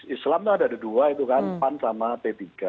islam itu ada dua itu kan pan sama p tiga